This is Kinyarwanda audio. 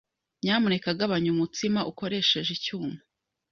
Nyamuneka gabanya umutsima ukoresheje icyuma.